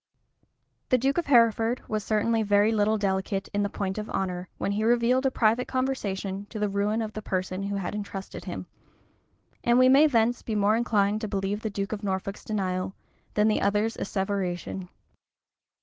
[] The duke of Hereford was certainly very little delicate in the point of honor, when he revealed a private conversation to the ruin of the person who had intrusted him; and we may thence be more inclined to believe the duke of Norfolk's denial, than the other's asseveration.